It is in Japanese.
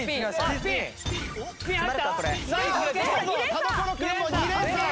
田所君も２連鎖。